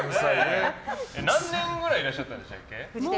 何年ぐらいいらっしゃったんですか？